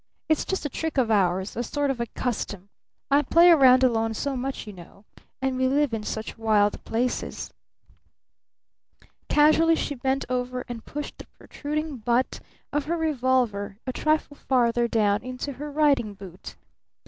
It's just a trick of ours, a sort of a custom. I play around alone so much you know. And we live in such wild places!" Casually she bent over and pushed the protruding butt of her revolver a trifle farther down into her riding boot.